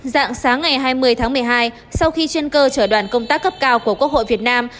dạng sáng ngày hai mươi tháng một mươi hai sau khi chuyên cơ chở đoàn công tác cấp cao của quốc hội việt nam